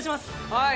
はい。